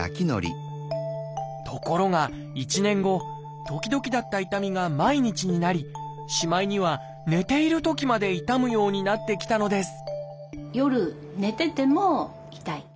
ところが１年後時々だった痛みが毎日になりしまいには寝ているときまで痛むようになってきたのです